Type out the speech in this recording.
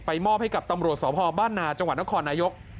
มอบให้กับตำรวจสพบ้านนาจังหวัดนครนายก